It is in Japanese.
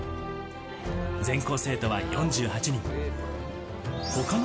全校生徒は４８人。